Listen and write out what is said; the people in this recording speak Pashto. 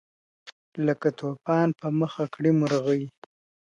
لکه توپان په مخه کړې مرغۍ `